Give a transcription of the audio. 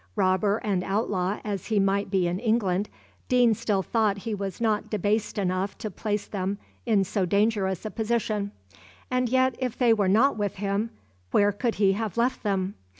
Robber and outlaw as he might be in England, Deane still thought he was not debased enough to place them in so dangerous a position; and yet if they were not with him, where could he have left them?